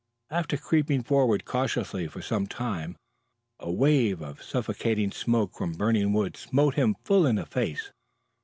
After creeping forward cautiously for some time, a wave of suffocating smoke from burning wood smote him full in the face.